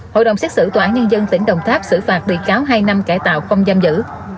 hội đồng xét xử tòa án nhân dân tỉnh đồng tháp xử phạt bị cáo hai năm cải tạo không giam giữ